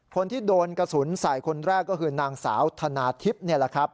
คนที่โดนกระสุนใส่คนแรกก็คือนางสาวธนาทิพย์นี่แหละครับ